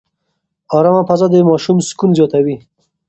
ارامه فضا د ماشوم سکون زیاتوي.